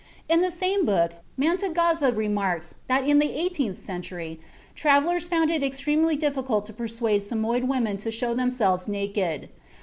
In the same book Mantegazza remarks that in the eighteenth century, travelers found it extremely difficult to persuade Samoyed women to show themselves naked.